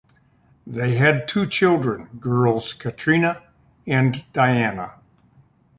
They had two children, girls Katrina and Diana.